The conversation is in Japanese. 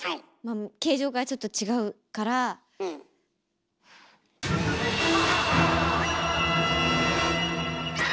形状がちょっと違うからフーン。